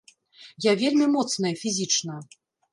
Я вельмі моцная фізічна!